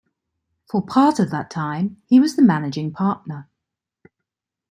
For part of that time he was the managing partner.